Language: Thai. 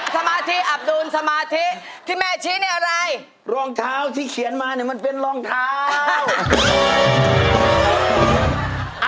สมาธิอับโดนสมาธิที่แม่ชี้เนี่ยอะไรรองเท้าที่เขียนมาเนี่ยมันเป็นรองเท้า